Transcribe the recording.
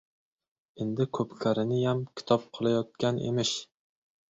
Endi ko‘pkariniyam kitob qilayotgan emish.